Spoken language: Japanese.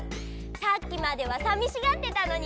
さっきまではさみしがってたのに。